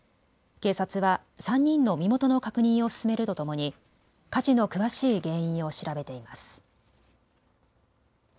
警察は３人の身元の確認を進めるとともに火事の詳しい原因を調べています。